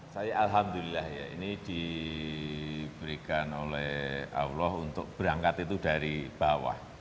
saya alhamdulillah ya ini diberikan oleh allah untuk berangkat itu dari bawah